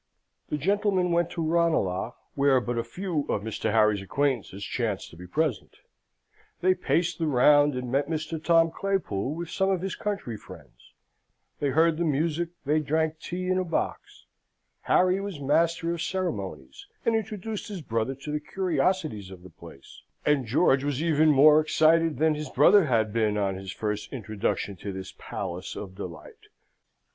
The gentlemen went to Ranelagh, where but a few of Mr. Harry's acquaintances chanced to be present. They paced the round, and met Mr. Tom Claypool with some of his country friends; they heard the music; they drank tea in a box; Harry was master of ceremonies, and introduced his brother to the curiosities of the place; and George was even more excited than his brother had been on his first introduction to this palace of delight.